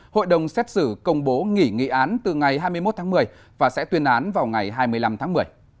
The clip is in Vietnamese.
hội đồng xét xử công bố nghỉ nghị án từ ngày hai mươi một tháng một mươi và sẽ tuyên án vào ngày hai mươi năm tháng một mươi